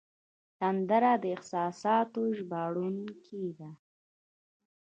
سندره د احساساتو ژباړونکی ده